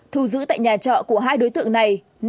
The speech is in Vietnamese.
thu giữ tại nhà trọ của hai đối tượng này